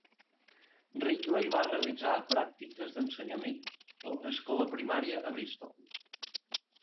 Ridley va realitzar pràctiques d'ensenyament a una escola primaria a Bristol.